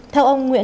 theo ông nguyễn văn